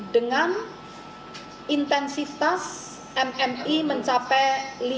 dengan intensitas mmi mencapai lima